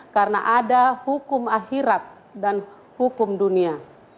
karena ada hukum akhirat dan hukum dunia